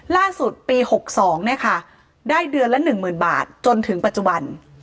ล่าสุดปี๖๒ได้เดือนละ๑๐๐๐บาทจนถึงปัจจุบัน